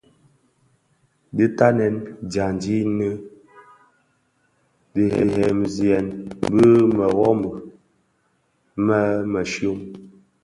Dhi ntanen dyandi di nud ndhemziyèn bi mëwoni më mëshyom.